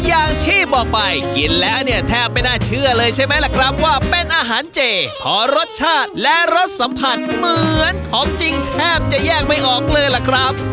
อย่างที่บอกไปกินแล้วเนี่ยแทบไม่น่าเชื่อเลยใช่ไหมล่ะครับว่าเป็นอาหารเจเพราะรสชาติและรสสัมผัสเหมือนของจริงแทบจะแยกไม่ออกเลยล่ะครับ